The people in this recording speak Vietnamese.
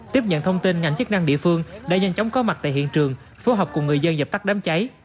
tiếp nhận thông tin ngành chức năng địa phương đã nhanh chóng có mặt tại hiện trường phố học của người dân dập tắt đám cháy